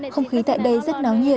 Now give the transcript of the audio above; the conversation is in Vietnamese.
không khí tại đây rất nóng nhiệt